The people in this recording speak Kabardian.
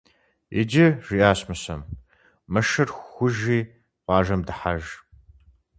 Иджы, - жиӀащ Мыщэм, - мы шыр хужи къуажэм дыхьэж.